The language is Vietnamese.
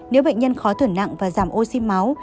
nếu bệnh nhân khó thở nặng và giảm oxy máu